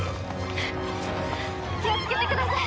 気をつけてください。